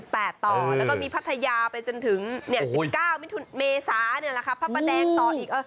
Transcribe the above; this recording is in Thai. แล้วก็มีพัทยาไปจนถึง๑๙เมษาเนี่ยแหละครับพระประแดงต่ออีก